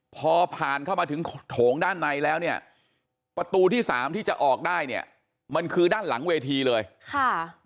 พอผ่านเข้ามาถึงโถงด้านในแล้วเนี่ยประตูที่สามที่จะออกได้เนี่ยมันคือด้านหลังเวทีเลยค่ะ